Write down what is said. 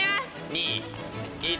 ２１。